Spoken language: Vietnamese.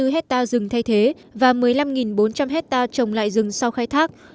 năm trăm sáu mươi bốn hectare rừng thay thế và một mươi năm bốn trăm linh hectare trồng lại rừng sau khai thác